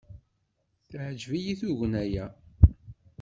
Teɛjeb-iyi tugna-a.